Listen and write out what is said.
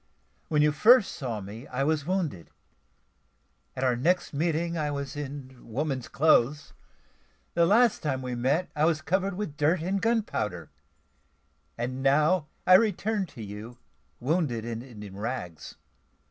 When you first saw me, I was wounded; at our next meeting I was in woman's clothes; the last time we met I was covered with dirt and gunpowder; and now I return to you, wounded and in rags.